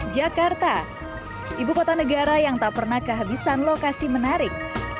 jakarta ibu kota negara yang tak pernah kehabisan lokasi menarik